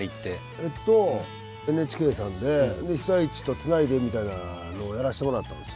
えっとＮＨＫさんで被災地とつないでみたいなのをやらしてもらったんですよ。